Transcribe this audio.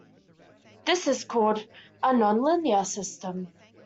This is called a "non-linear system".